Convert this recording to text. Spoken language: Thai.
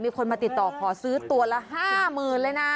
มีคนมาติดต่อขอซื้อตัวละห้าหมื่นเลยนะ